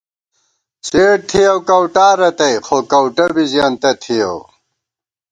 څېڈ تھِیَؤ کؤٹا رتئ خو کؤٹہ بی زېنتہ تِھیَؤ